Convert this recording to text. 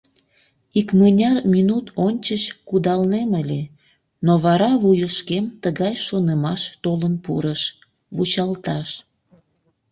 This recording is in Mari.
— Икмыняр минут ончыч кудалнем ыле, но вара вуйышкем тыгай шонымаш толын пурыш — вучалташ.